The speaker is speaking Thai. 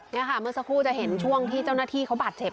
นี่ค่ะเมื่อสักครู่จะเห็นช่วงที่เจ้าหน้าที่เขาบาดเจ็บ